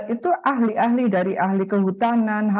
itu ahli ahli dari ahli kehutanan